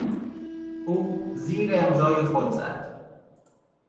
او زیر امضای خود زد.